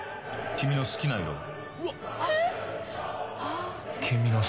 「君の好きな色は？」